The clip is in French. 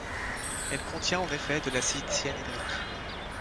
Elle contient en effet de l'acide cyanhydrique.